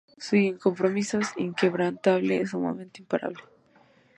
Sin compromisos, inquebrantable, sumamente imparable.